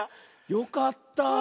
よかった。